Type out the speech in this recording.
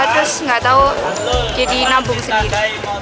terus nggak tahu jadi nabung sendiri